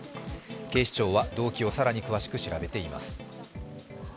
警視庁は動機を更に詳しく調べています。